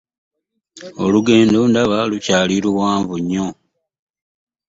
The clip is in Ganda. Olugendo ndaba lukyali luwanvu nnyo.